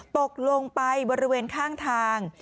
ตกลงไปบริเวณข้างทาง